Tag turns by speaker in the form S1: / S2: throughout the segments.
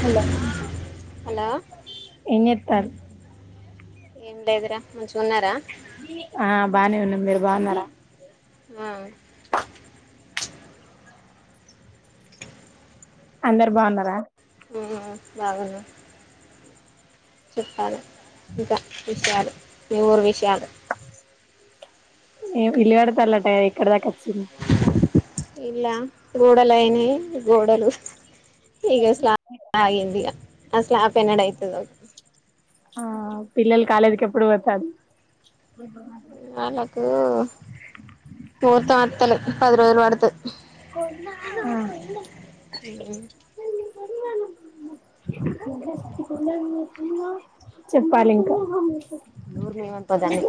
S1: Hello
S2: hello
S1: ఏం జేత్తార్రు
S2: ఏం లేదురా మంచ్
S1: ఆ బానే ఉన్నాం, మీరు బావున్నారా.
S2: ఆ
S1: అందరు బావున్నారా.
S2: ఉమ్ బాగున్నాం. చెప్పాలి ఇంకా విషయాలు, మీ ఊరి విషయాలు.
S1: ఏ ఇల్లు కడతాళ్ళట కదా ఎక్కడ దాకా అచ్చింది.
S2: ఇల్లా, గోడలు అయినై, గోడలు. ఇక స్లా [unintelligible] ఆగింది ఇగా, ఆ స్లాప్ ఎన్నడు అయితదో.
S1: ఆ పిల్లలు కాలేజీకి ఎప్పుడు పోతాల్లు.
S2: వాళ్లకు పోతా అత్తాలే, పది రోజులు పడ్తద్.
S1: ఆ చెప్పాలి ఇంకా.
S2: నూరు మేమనుకో దాన్ని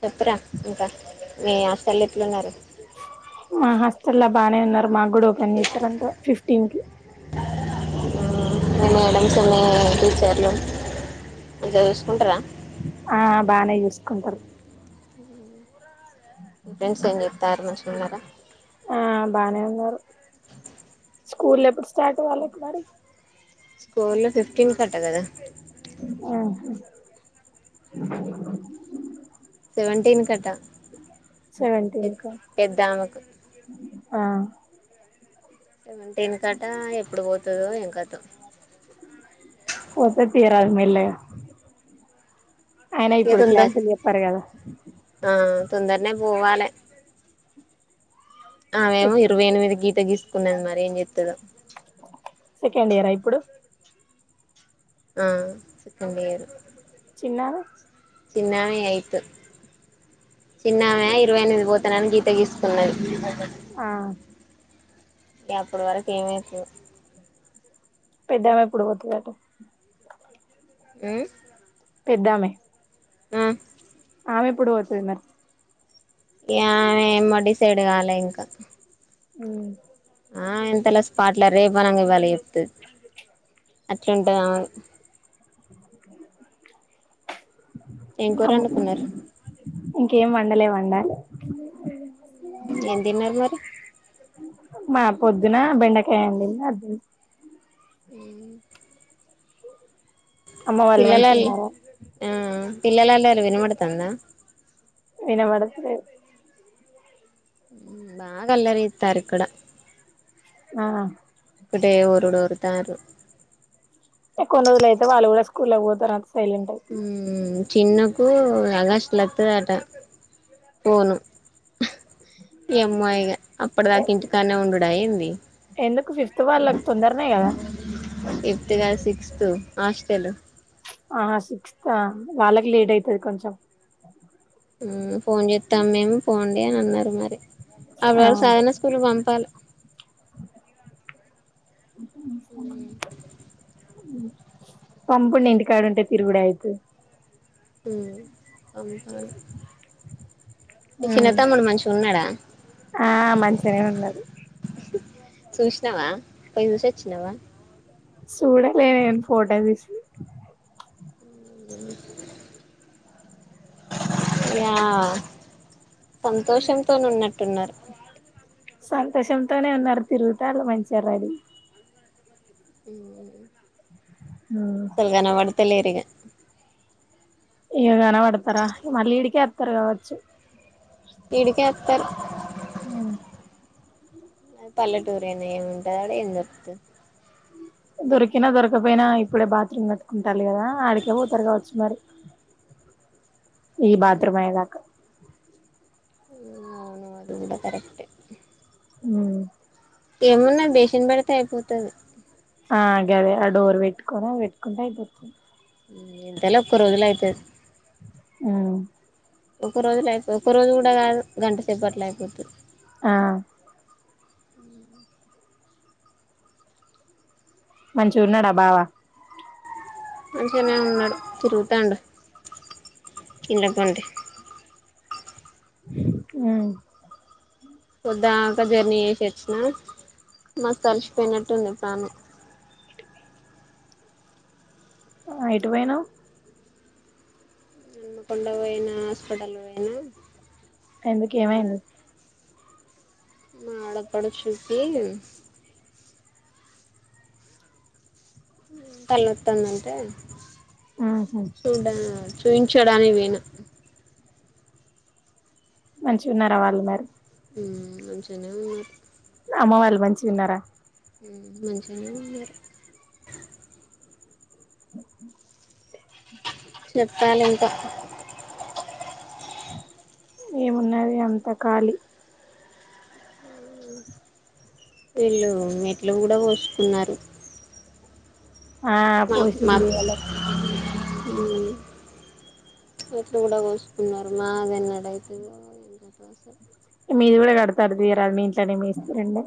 S2: చెప్పురా ఇంకా, మీ హాస్టళ్ల ఎట్లా ఉన్నారు.
S1: ఆ హాస్టళ్ల బానే ఉన్నారు, మాగ్గుడా ఓపెన్ చేతారంట ఫిఫ్టీన్ కి. ఉమ్
S2: మీ మేడమ్స్, మీ టీచర్లు మంచిగా చూసుకుంటారా.
S1: ఆ బానే జూసుకుంటారు.
S2: మీ ఫ్రెండ్స్ ఏం జేత్తార్రు మంచిగున్నారా.
S1: స్కూల్లు ఎప్పుడు స్టార్ట్ వాళ్లకు మరి.
S2: స్కూళ్లు ఫిఫ్టీన్ కట గదా.
S1: ఆహా
S2: సెవెంటీన్ కట
S1: సెవెంటీన్
S2: పెద్
S1: కా
S2: పెద్దామేకు.
S1: ఆ
S2: సెవెంటీన్ కట, ఎప్పుడు పోతదో ఏం కథో.
S1: పోతది తీయ్యారాదు మెల్లగా. అయినా ఇప్పుడు
S2: పోతుందే,
S1: క్లాసులు చెప్పారు కదా
S2: ఆ తొందర్నే పోవాలే. ఆమే
S1: సె
S2: ఏమో ఇరవై ఎనిమిదికి గీత గీసుకున్నది, మరి ఏం చెత్తదో.
S1: సెకండ్ ఇయరా ఇప్పుడు.
S2: ఆ సెకండ్ ఇయరు.
S1: చిన్నామే
S2: చిన్నామే ఎయిత్ చిన్నమే ఇరవై ఎనిమిదికి పోతానని గీత గీసుకున్నది.
S1: ఆ
S2: యా అప్పుడు వరకు ఏమైతదో.
S1: పెద్దామే ఎప్పుడూ పోతాదట.
S2: ఉమ్
S1: పెద్దమే
S2: ఉహ్
S1: ఆమ్ ఎప్పుడు పోతుంది నా
S2: ఏమో ఆయన డిసైడ్ కాలే ఇంకా
S1: ఉహ్మ్
S2: ఆ ఇంతలా స్పాట్లా రేపనంగా ఇవళ చెప్తది అట్లుంటాదా ఎం కూర
S1: అమ్
S2: వండుకున్నారు.
S1: ఇంకేం వండలే వండలి
S2: ఏం తిన్నారు మరి
S1: మాద్ పొద్దున బెండకాయయండి అద్ తిన్నం
S2: హ్మ్
S1: అమ్మ వాళ్ళు
S2: పిల్లల అల్లల్
S1: మంచిగున్నారా
S2: పిల్లల అల్లరి వినబడుతందా
S1: వినబడుతా లేదు
S2: మ్మ్ బాగా అల్లరి చేస్తారు ఇక్కడ
S1: ఆ
S2: ఒక్కటే ఊరుడు ఉర్తారు
S1: కోన్ ఊర్లయితే వాళ్ళ కూడా స్కూల్ ఓతారాంత
S2: ఉహ్మ్ చిన్నకు అగస్ట్లా అప్పుడే అంట పోను ఏమో ఇగ అప్పటి దాకా ఇంటికాన్నే ఉండుడ ఏంది
S1: ఎందుకు ఫిఫ్త్ వాళ్ళకి తొందరనేయి కదా
S2: హ్మ్ హాస్టలు
S1: ఆ సిక్స్త్ వాళ్ళకి లేట్ అయితది కొంచెం
S2: హ్మ్ ఫోన్ చేస్తాం మేము పొండి అని అన్నారు మరి ఆ వయస్ ఆయాన స్కూల్ పంపాలా హ్మ్
S1: పంపుండి ఇంటికాడుంటే తిరుగుడా అయితే
S2: ఉ మీ చిన్న తమ్ముడు మంచిగా ఉన్నాడా
S1: ఆ మంచిగానే ఉన్నడు
S2: సుస్నావ పోయిసోచినవా
S1: చూడలే నేను ఫోటో తీసి
S2: హ్మ్ య సంతోషంతోన ఉన్నట్టున్నారు.
S1: సంతోషంతోనే ఉన్నారు తిరుగుతారు మంచిగా రెడీ
S2: ఉమ్ అసలు కనబడ్త లేరిగా
S1: హ్మ్ కనపడ్తరా మళ్ళీ ఈడకే వాతర్గావచ్చు
S2: ఈడికే వాత్తరు
S1: హ్మ్
S2: పల్లెటూరినే ఏముంటది ఆడ ఏం దొరుకుతది
S1: దొరికినా దొరకపోయినా ఇప్పుడే బాత్రూమ్ కట్టుకుంటాలి కదా ఆడికే పోతారు కావచ్చు మరి ఈ బాత్ రూమ్ అయేదాకా
S2: అవును అది కూడా కరెక్ట్
S1: ఉమ్
S2: ఏమున్నాయ్ బేసినపెడితే అయిపోతాది
S1: నాక్ గానీ ఆ డోర్ పెట్టుకునే పెట్టుకుంటే అయిపోతుంది
S2: ఎంతలో ఒకరోజలో అయిపోయింది
S1: హ్మ్
S2: ఒక రోజులో అయిపో ఒక రోజు కూడా కాదు గంటసేపట్ల అయిపోతది
S1: ఆ మంచిగున్నడా బావా
S2: మంచిగనే ఉన్నాడు తిరుగుతాండు ఇండ్ల పొంటి
S1: హ్మ్
S2: పొద్దాక జర్నీ చేసొచ్చినా మస్త్ అలిసిపోయినట్టుంది ప్రాణం
S1: ఆ ఎటు పోయినవ్
S2: హనుమకొండ పోయినా హాస్పిటల్ పోయినా
S1: ఎందుకు
S2: మా
S1: ఏమైంది
S2: మా ఆడపడుచుకి తలనొత్తాందంటే
S1: ఉహు
S2: చూడానికి చూయించడానికి పోయినా
S1: మంచిగా ఉన్నారా వాళ్ళు మరి
S2: హ్మ్ మంచిగనే ఉన్నారు
S1: అమ్మ వాళ్ళు మంచిగ ఉన్నారా
S2: హ్మ్ మంచిగనే ఉన్నారు చెప్పాలింకా
S1: ఏమున్నది ఇగ అంతా కాళీ
S2: వీళ్ళు మెట్లు కూడా పోసుకున్నారు
S1: ఆ
S2: మా
S1: పోసిన్లు ఇయ్యాల
S2: మెట్లు కూడా పోసుకున్నారు మాది ఎన్నడయితదో ఏం కథో అసలు
S1: మీది కూడా కడతారు తీయరాదు మీ ఇంట్లోనే మేస్త్రి ఉండే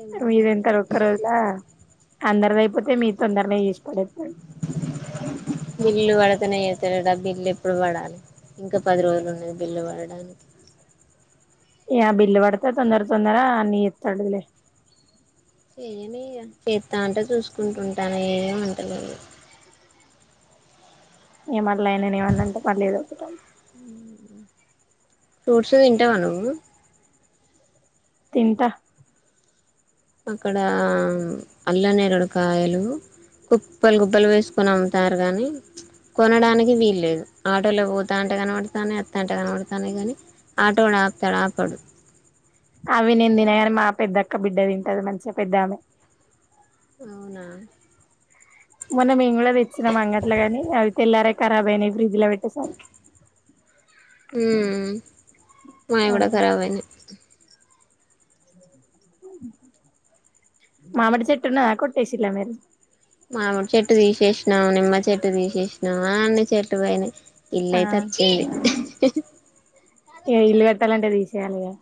S2: ఏమో
S1: మీది
S2: ఇగ
S1: ఎంతలో ఒక రోజుల అందరిది అయిపోతే మీది తొందరనే చేసిపడేత్తడు
S2: బిల్లు పడతనే చేత్తడట ఆ బిల్లు ఎప్పుడు పడాలి ఇంకా పది రోజులు ఉన్నది బిల్లు పడడానికి
S1: ఇగ ఆ బిల్లుబడితే తొందర తొందరగా అన్ని చేత్తడులే
S2: చేయనీ ఇగా చెత్త అంటే చూసుకుంటూ ఉంట్టా నేనేం అంట్టలేను
S1: ఇగ మళ్ళ అయినని ఏమన్నా అంటే మళ్ళీ ఏదొ ఒకటి అంటడు
S2: ఫ్రూట్స్ తింటావా నువ్వు
S1: తింటా
S2: అక్కడ అల్లనేరేడు కాయలు కుప్పలు గుప్పలు వేసుకొని అమ్ముతారు గాని కొనడానికి వీల్లులేదు ఆటోలో పోతాంటే కనబడతానై అత్తంటే కనబడతానై కానీ ఆటో వాడు ఆప్తాడా ఆపడు
S1: అవి నేను తినగాని మా పెద్ద అక్క బిడ్డ తింటది మంచిగా పెద్ద ఆమె
S2: అవునా
S1: మొన్న మేం కూడా తెచ్చిన్నం అంగట్లో గాని అవి తెల్లారక ఖరాబ్ అయినయ్ ఫ్రిడ్జ్ లో పెట్టే సరికి
S2: హ్మ్ మాయి
S1: ఆ
S2: కూడా ఖరాబ్ అయినాయ్
S1: మామిడి చెట్టున్నదా కొట్టేసిల్లా మీరు
S2: మామిడి చెట్టు తీసేసినా నిమ్మ చెట్టు తీసేసినా అ అన్ని చెట్లు పొయినయ్ ఇల్లు
S1: ఆ
S2: అయితే వచ్చింది
S1: ఇగ ఇల్లు కట్టాలంటే తీసేయాలిగా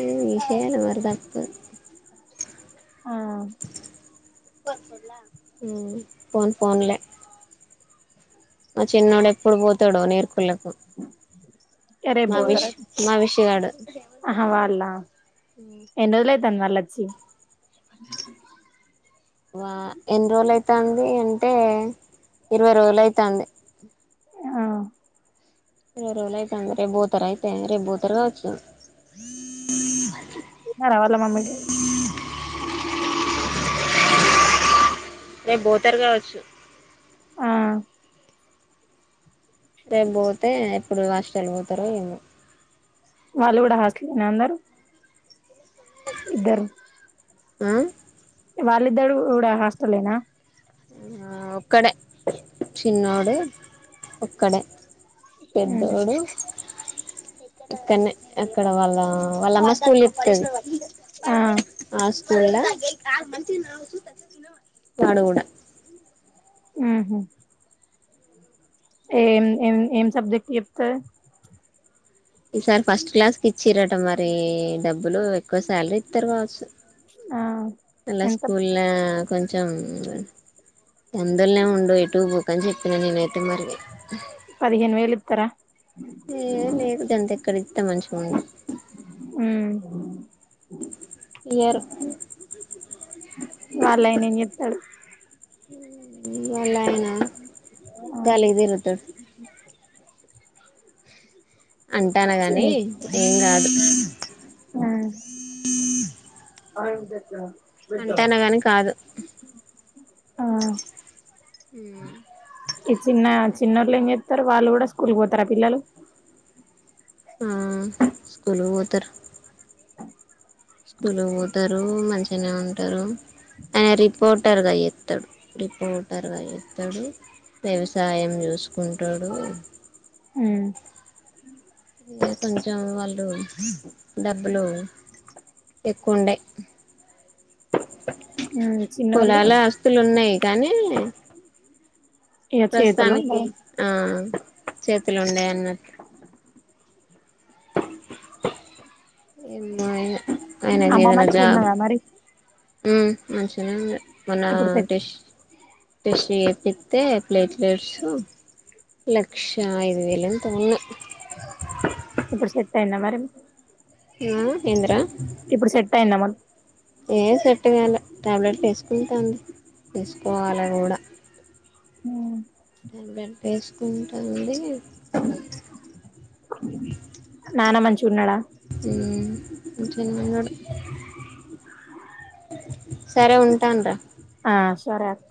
S2: ఊ తీసేయాలి మరి తప్పదు
S1: ఆ
S2: హు ఫోన్ ఫోన్లే మా చిన్నోడు ఎప్పుడు పోతాడో నీరుకుళ్ళకు
S1: ఇగ రేపు
S2: మావిష్
S1: పోతారట
S2: మావిషగాడు
S1: ఆహా వాళ్ళ ఎన్ని రోజులు అయితాంది వాళ్ళు వచ్చి
S2: వా ఎన్ని రోజులు అయితాంది అంటే ఇరవై రోజులైతాంది
S1: ఆ
S2: ఇరవై రోజులు అయితంది రేపు బోతరు అయితే రేపు బోతరు కావచ్చు
S1: ఎ రావాల మామ్మడి
S2: రేపు బోతర్ కావచ్చు
S1: ఆ
S2: రేపు పోతే ఎప్పుడు హాస్టల్ పోతారో ఏమో
S1: వాళ్ళు కూడా హాస్టలేనా అందరూ ఇద్దరు
S2: ఆ
S1: వాళ్ళిద్దరు కూడా హాస్టలేనా
S2: ఆ ఒక్కడే చిన్నోడు ఒక్కడే
S1: ఉమ్,
S2: పెద్దోడు ఇక్కనే అక్కడ వాళ్ళ వాళ్ళ హాస్టల్ [unintelligible] ఇప్తుంది
S1: ఆ
S2: ఆ స్కూల్ ల వాడు కూడా
S1: ఉహు ఏం ఏం ఏం సబ్జెక్ట్ చెప్తాది
S2: ఈసారి ఫస్ట్ క్లాస్ కి ఇచ్చిరట మరి డబ్బులు ఎక్కువ శాలరీ ఇస్తారు కావచ్చు
S1: ఆ
S2: అలా
S1: ఎంత
S2: స్కూల్ ల కొంచెం అందులనే ఉండు ఎటుూ పోకు అని చెప్పినా నేనైతే మరి
S1: పదిహేను వేలు ఇతార
S2: ఏ లేదు అంత ఎక్కడి ఇస్తే మంచిగా ఉండు
S1: [inaudible]
S2: ఇయరు
S1: వాళ్ళయిన ఏం చెస్తారు
S2: వాళ్ళ అయనా
S1: ఆ
S2: గాలికి తిరుగుతాడు అంటాను
S1: చి
S2: గాని ఏం కాదు
S1: ఆ అ [unintelligible]
S2: అంటాను కాని కాదు
S1: ఆ ఈ చిన్న చిన్నోళ్ళు ఏమి చే స్తారు వాళ్ళు కూడా స్కూల్ పోతారా పిల్లలు
S2: ఆ స్కూల్ పోతారు
S1: ఓ
S2: స్కూల్ పోతారు మంచిగానే ఉంటారు ఆయన రిపోర్టర్గా చేస్తాడు రిపోర్టర్గా చేస్తాడు వ్యవసాయం చూసుకుంటాడు
S1: ఉ
S2: కొంచెం వాళ్ళు డబ్బులు ఎక్కువుండయ్
S1: ఉమ్ చిన్నోళ్ళు
S2: పొలాల ఆస్తులు ఉన్నాయి కానీ
S1: ఇగ చేతులు
S2: ప్రస్తుతానికి
S1: ఉండవు
S2: ఆ చేతులు ఉండాయన్నట్లు ఏం మా ఆయన ఆయనకు
S1: అమ్మ
S2: ఏదైన జాబ్
S1: మంచిగున్నదా మరి
S2: హుమ్ మంచిగానే ఉంది మన
S1: ఇప్పుడు సెట్
S2: డిష్ డిష్ ఏపిస్తే ప్లేట్లేట్లు లక్ష ఐదు వేలు ఎంతో ఉన్నాయ్
S1: ఇప్పుడు సెట్ అయింద మరి
S2: ఆ ఏందిరా
S1: ఇప్పుడు సెట్ అయింద మొత్తం
S2: ఏం సెట్టుగాలే టాబ్లెట్లు వేసుకుంటాన వేసుకోవాలి అవి గూడ
S1: హుమ్
S2: వేసుకుంటంది
S1: నాన్న మంచి గున్నాడ
S2: హుమ్ మంచిగానే ఉన్నాడు సరే ఉంటాన్ర
S1: ఆ సరే అక్క